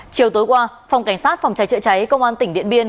chiều tối qua phòng cảnh sát phòng cháy chữa cháy công an tỉnh điện biên